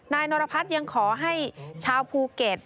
นรพัฒน์ยังขอให้ชาวภูเก็ต